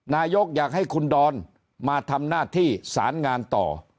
นายกอยากให้คุณดอนมาทำหน้าที่สารงานต่อ